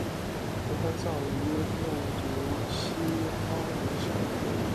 吴宽葬于木渎西花园山。